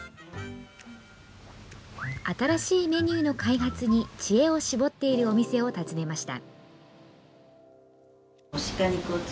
新しいメニューの開発に、知恵を絞っているお店を訪ねました。